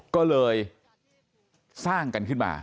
ก็เลยสร้างกันขึ้นมา